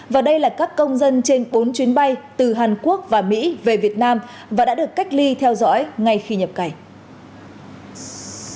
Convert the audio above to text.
và đây là các công dân trên bốn chuyến bay từ hàn quốc và mỹ về việt nam và đã được cách ly theo dõi ngay khi nhập cảnh